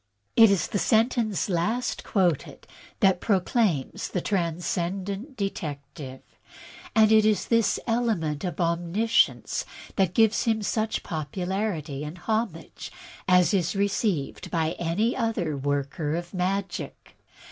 It is the sentence last quoted that proclaims the Tran scendent Detective, and it is this element of omniscience that gives him such popularity and homage as is received by any other worker in magic.